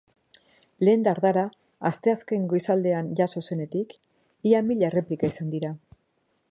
Lehen dardara asteazken goizaldean jazo zenetik, ia mila erreplika izan dira.